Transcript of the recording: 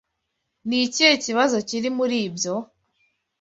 Ni ikihe kibazo kiri muri ibyo?